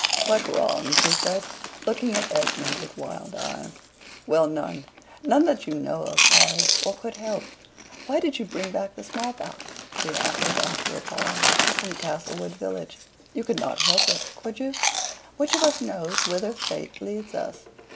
"What wrong?" she said, looking at Esmond with wild eyes. "Well, none none that you know of, Harry, or could help. Why did you bring back the small pox," she added, after a pause, "from Castlewood village? You could not help it, could you? Which of us knows whither fate leads us?